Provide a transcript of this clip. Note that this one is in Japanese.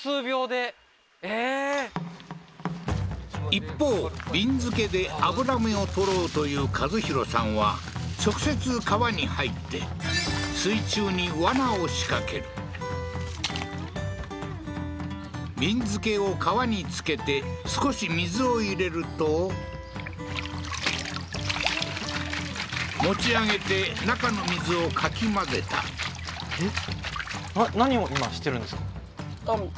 一方びんづけでアブラメを獲ろうという和宏さんは直接川に入って水中にワナを仕掛けるびんづけを川につけて少し水を入れると持ち上げて中の水をかき混ぜたえっ？